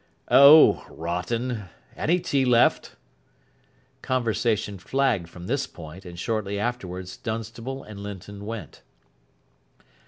"Oh, rotten. Any tea left?" Conversation flagged from this point, and shortly afterwards Dunstable and Linton went.